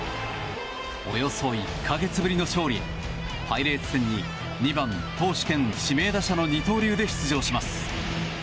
およそ１か月ぶりの勝利へパイレーツ戦に２番投手兼指名打者の二刀流で出場します。